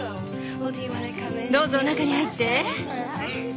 どうぞ中に入って。